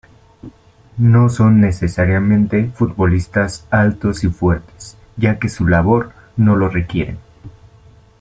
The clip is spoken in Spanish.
No son necesariamente futbolistas altos y fuertes, ya que su labor no lo requiere.